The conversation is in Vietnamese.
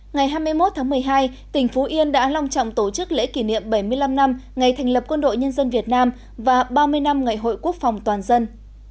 ngày hai mươi một tháng một mươi hai tỉnh phú yên đã long trọng tổ chức lễ kỷ niệm bảy mươi năm năm ngày thành lập quân đội nhân dân việt nam và ba mươi năm ngày hội quốc phòng toàn dân